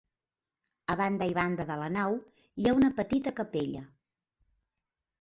A banda i banda de la nau hi ha una petita capella.